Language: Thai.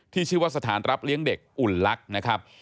ชื่อว่าสถานรับเลี้ยงเด็กอุ่นลักษณ์นะครับ